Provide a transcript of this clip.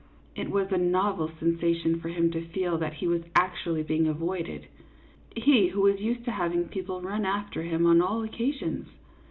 It was a novel sensation for him to feel that he was actually being avoided he, who was used to having people run after him on all occasions.